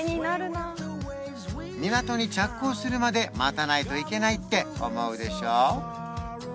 港に着港するまで待たないといけないって思うでしょ？